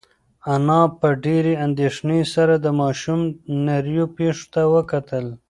انا په ډېرې اندېښنې سره د ماشوم نریو پښو ته وکتل.